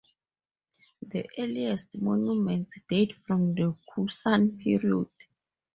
The earliest monuments date from the Kushan period.